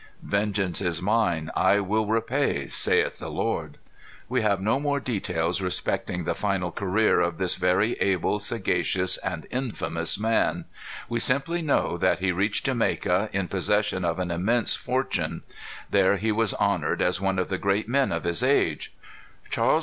"Vengeance is mine; I will repay, saith the Lord." We have no more details respecting the final career of this very able, sagacious, and infamous man. We simply know that he reached Jamaica in possession of an immense fortune. There he was honored as one of the great men of his age. Charles II.